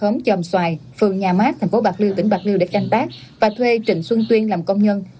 ngoài phường nhà mát thành phố bạc liêu tỉnh bạc liêu để canh tác và thuê trình xuân tuyên làm công nhân